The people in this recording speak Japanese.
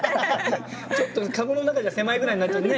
ちょっとかごの中じゃ狭いぐらいになっちゃうよね。